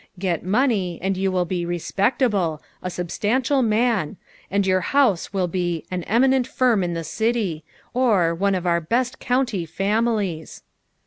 Get money, and you will be " respectable," " a substantial man," and your house will be "an eminent firm in the city," or " one of our beat county families."